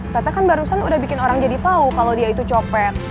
tata kan barusan udah bikin orang jadi tahu kalau dia itu copet